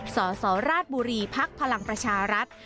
สสราชบุรีพพลังประชารัฐ